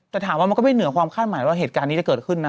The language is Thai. แต่ถามว่ามันก็ไม่เหนือความคาดหมายว่าเหตุการณ์นี้จะเกิดขึ้นนะ